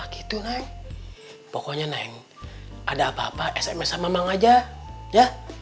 gitu neng pokoknya naik ada apa apa sms sama mang aja ya